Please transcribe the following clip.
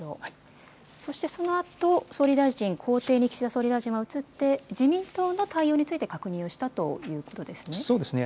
そしてそのあと、総理大臣公邸に岸田総理大臣は移って、自民党の対応について確認をしたということですね。